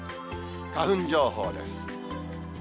花粉情報です。